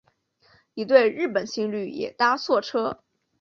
一对日本情侣也搭错车